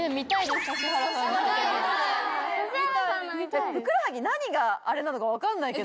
・ふくらはぎ何があれなのか分かんないけど。